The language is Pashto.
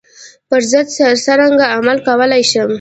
پر ضد څرنګه عمل کولای شم.